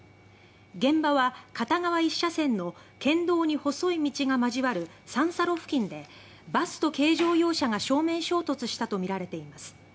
現場は片側１車線の県道に細い道が交わる三差路付近でバスと軽乗用車が正面衝突したとみられています。